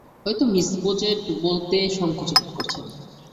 হয়তো মিস বোজেট বলতে সংকোচ বোধ করছেন।